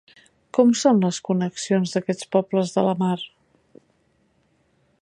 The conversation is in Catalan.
Com són les connexions d'aquests pobles de la mar?